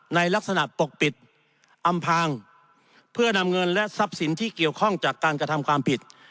ในลักษณะปกปิดอำพางเพื่อนำเงินและทรัพย์สินที่เกี่ยวข้องจากการกระทำความผิด